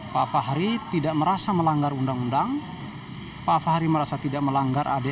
pak fahri tidak merasa melanggar undang undang pak fahri merasa tidak melanggar adik